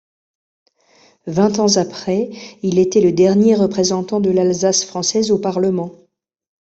Vingt ans après, il était le dernier représentant de l'Alsace française au Parlement.